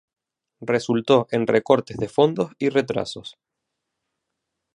Resultó en recortes de fondos y retrasos.